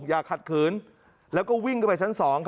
ยาขัดขืนแล้วก็วิ่งไปชั้น๒